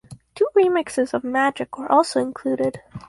Two remixes of "Magic" were also included.